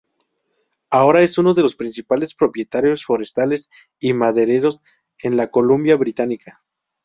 Ahora es uno de las principales propietarios forestales y madereros en la Columbia Británica.